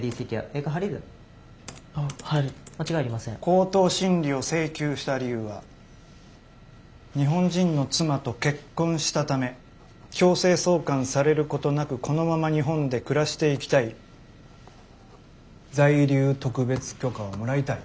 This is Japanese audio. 口頭審理を請求した理由は日本人の妻と結婚したため強制送還されることなくこのまま日本で暮らしていきたい在留特別許可をもらいたい。